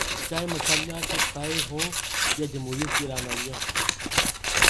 چاہے martial law کے سائے ہوں یا جمہوریت کی رعنائیاں۔